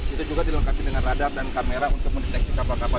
itu juga dilengkapi dengan radar dan kamera untuk mendeteksi kapal kapal